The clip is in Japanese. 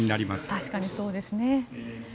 確かにそうですね。